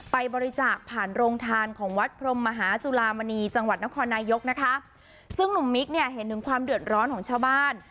ไปบริจาคผ่านโรงทานของวัดพรมมหาจุลามณีจังหวัดนครนายกนะคะซึ่งหนุ่มมิ๊กเนี่ยเห็นถึงความเดือดร้อนของชาวบ้าน